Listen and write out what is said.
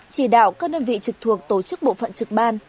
một chỉ đạo các nơi vị trực thuộc tổ chức bộ phận trực ban